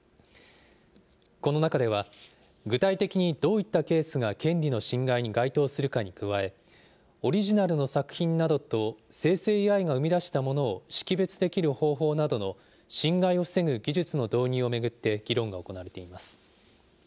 この中では、具体的にどういったケースが権利の侵害に該当するかに加え、オリジナルの作品などと生成ＡＩが生み出したものを識別できる方法などの侵害を防ぐ技術の導入を巡って、議論が行われています。